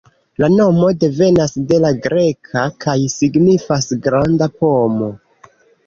La nomo devenas de la greka kaj signifas "granda pomo".